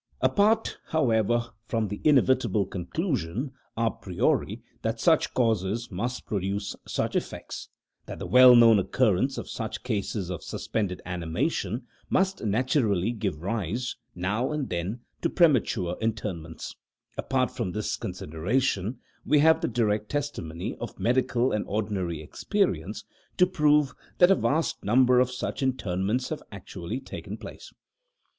Apart, however, from the inevitable conclusion, a priori that such causes must produce such effects that the well known occurrence of such cases of suspended animation must naturally give rise, now and then, to premature interments apart from this consideration, we have the direct testimony of medical and ordinary experience to prove that a vast number of such interments have actually taken place.